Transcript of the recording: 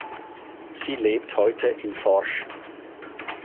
Sie lebt heute in Forch.